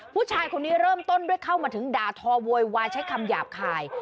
ผู้ชายคนนี้เริ่มต้นด้วยเข้ามาถึงด่าทอโวยวายใช้คำหยาบคาย